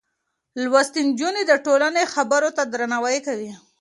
لوستې نجونې د ټولنې خبرو ته درناوی کوي.